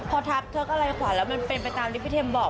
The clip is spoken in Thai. พอทับเธอก็ไหลขวาแล้วมันเป็นไปตามที่พี่เทมบอก